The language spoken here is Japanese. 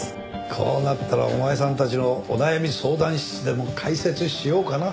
こうなったらお前さんたちのお悩み相談室でも開設しようかな。